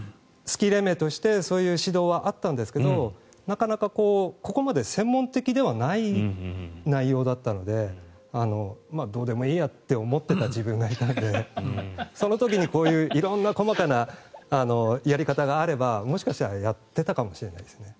スキー連盟としてそういう指導はあったんですがなかなかここまで専門的ではない内容だったのでどうでもいいやって思ってた自分がいたのでその時にこういう色んな細かなやり方があればもしかしたらやってたかもしれないです。